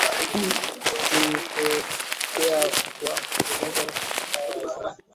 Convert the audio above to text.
gu tutokea kwa tetemeko mbaya la ardhi